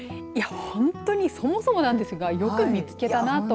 本当に、そもそもなんですがよく見つけたなと。